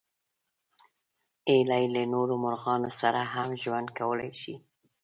هیلۍ له نورو مرغانو سره هم ژوند کولی شي